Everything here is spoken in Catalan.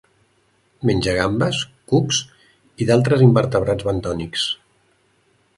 Menja gambes, cucs i d'altres invertebrats bentònics.